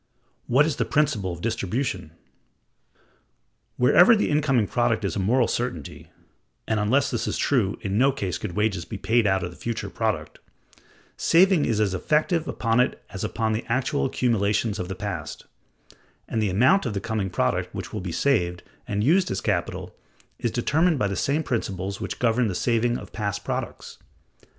What is the principle of distribution? Wherever the incoming product is a moral certainty (and, unless this is true, in no case could wages be paid out of the future product), saving is as effective upon it as upon the actual accumulations of the past; and the amount of the coming product which will be saved and used as capital is determined by the same principles which govern the saving of past products.